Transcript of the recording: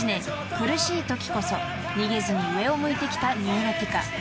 苦しいときこそ逃げずに上を向いてきたニューロティカ］